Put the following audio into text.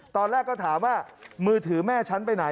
ตอนแรกก็ถามว่ามือถือแม่ฉันไปไหน